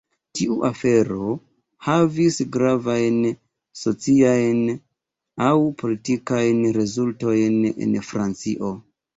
Tiu afero havis gravajn sociajn aŭ politikajn rezultojn en Francio.